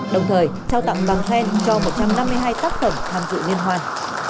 đồng thời trao tặng bằng khen cho một trăm năm mươi hai tác phẩm tham dự liên hoan